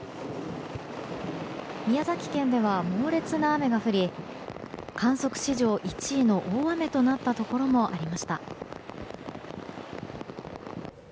宮崎県では猛烈な雨が降り観測史上１位の大雨となったところもありました。